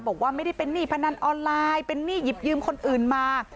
บอกว่าไม่ได้เป็นหนี้พนันออนไลน์เป็นหนี้หยิบยืมคนอื่นมา